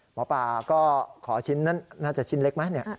หมอปลาก็ขอชิ้นนั้นน่าจะชิ้นเล็กไหม